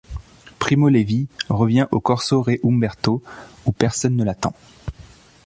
Primo Levi revient au corso Re Umberto, où personne ne l'attend.